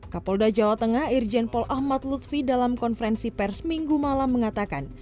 kapolda jawa tengah irjen pol ahmad lutfi dalam konferensi pers minggu malam mengatakan